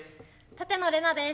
舘野伶奈です。